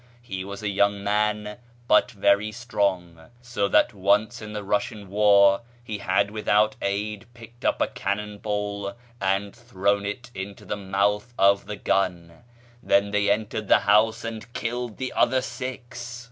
He was a young man, but very strong, so that once in tlie Eussian war he had without aid picked up a cannon ball and thrown it into the mouth of the gun. Then they entered the house and killed the other six.